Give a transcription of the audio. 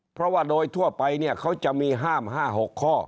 เพราะว่าโดยทั่วไปเนี่ยเขาจะมีห้าม๕๖ข้อ